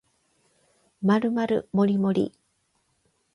まるまるもりもり